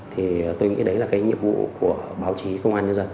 thì tôi nghĩ đấy là cái nhiệm vụ